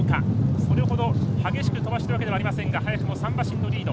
それほど激しく飛ばしているわけではありませんが早くも３馬身のリード。